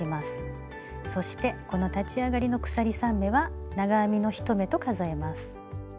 そしてこの立ち上がりの鎖３目は長編みの１目と数えます。